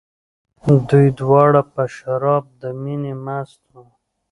دوی دواړه په شراب د مینې مست وو.